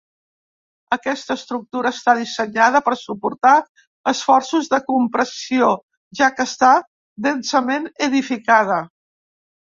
Aquesta estructura està dissenyada per suportar esforços de compressió, ja que està densament edificada.